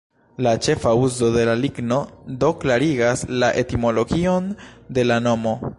La ĉefa uzo de la ligno do klarigas la etimologion de la nomo.